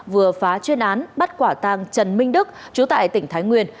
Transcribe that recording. vừa phá chuyên án bắt quả tàng trần minh đức chú tại tỉnh thái nguyên